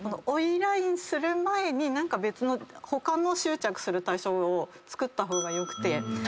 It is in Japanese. ＬＩＮＥする前に何か別の他の執着する対象をつくった方がよくて。